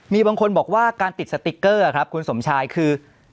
มีบางคนบอกว่าการติดสติ๊กเกอร์ครับคุณสมชายคือ